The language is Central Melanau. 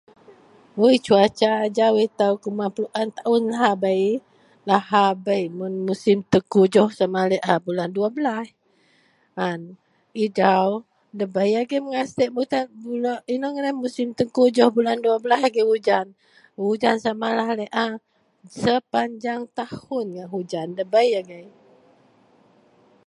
Oii cuaca ajau itou kuman puen taun lahabei. Lahabei mun musim tengkujuh sama laei a bulan 12 an. Ejau ndabei agei mengatik bulan, inou ngadan musim tengkujuh, bulan 12 agei ujan. Ujan samalah laei a sepanjang tahun ngak hujan. Ndabei agei